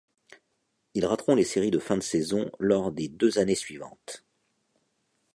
Ils rateront les séries de fin de saison lors des deux années suivantes.